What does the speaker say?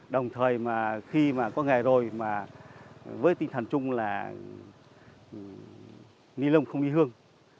đồng thời khi có nghề rồi với tinh thần chung là ni lông không đi hương